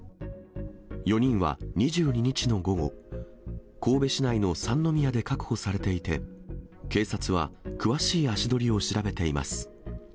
４人は２２日の午後、神戸市内の三宮で確保されていて、警察は詳しい足取りを調べています。